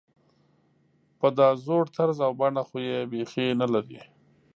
په دا زوړ طرز او بڼه خو یې بېخي نلري.